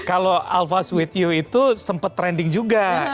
kalau alphas with you itu sempat trending juga